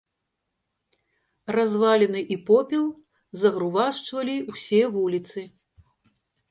Разваліны і попел загрувашчвалі ўсе вуліцы.